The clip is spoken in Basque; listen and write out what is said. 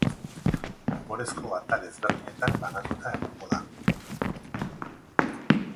Umorezko atal ezberdinetan banatuta egongo da.